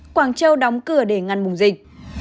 quảng châu đóng cửa để ngăn mùng dịch